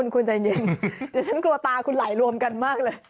คุณใจเย็นเดี๋ยวฉันกลัวตาคุณไหลรวมกันมากเลย